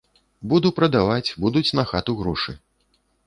Буду прадаваць, будуць на хату грошы.